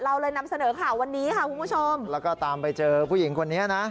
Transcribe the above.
เราเลยนำเสนอข่าววันนี้ค่ะคุณผู้ชมแล้วก็ตามไปเจอผู้หญิงคนนี้นะ